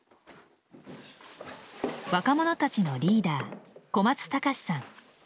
若者たちのリーダー小松隆至さん。